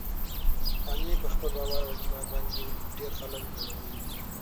علي په خپل باور او اعتماد باندې ډېر خلک غولولي دي.